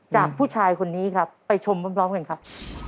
จากผู้ชายคนนี้ครับไปชมพร้อมกันครับ